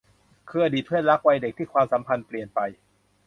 คืออดีตเพื่อนรักวัยเด็กที่ความสัมพันธ์เปลี่ยนไป